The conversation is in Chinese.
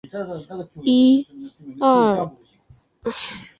卫讯电讯曾成为以下多套电影的赞助商。